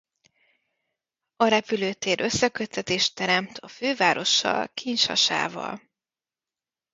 A repülőtér összeköttetést teremt a fővárossal Kinshasával.